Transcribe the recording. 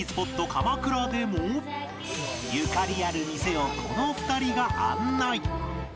鎌倉でもゆかりある店をこの２人が案内